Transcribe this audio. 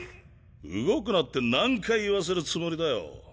動くなって何回言わせるつもりだよ？